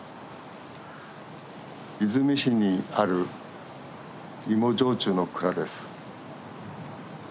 出水市にある芋焼酎の蔵です。